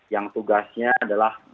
yang tugasnya adalah